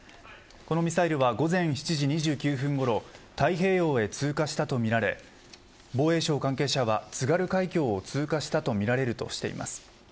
このミサイルは午前７時２９分ごろ太平洋へ通過したとみられ防衛省関係者は津軽海峡を通過したとみられるとしています。